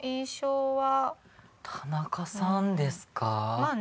まあね